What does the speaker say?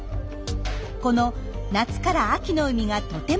この「夏から秋の海がとても熱い」